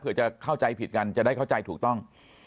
เพื่อจะเข้าใจผิดกันจะได้เข้าใจถูกต้อง